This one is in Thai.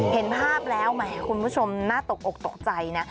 เห็นภาพแล้วแหมคุณผู้ชมน่าตกอกตกใจนะ